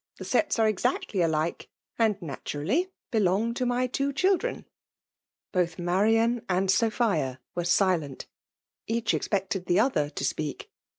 The seta are exactly alike^ and natmrally belong to my two children." Soth Marian and Sophia were silent. Each expected the other to speak.